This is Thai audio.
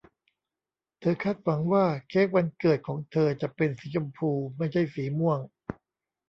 เธอคาดหวังว่าเค้กวันเกิดของเธอจะเป็นสีชมพูไม่ใช่สีม่วง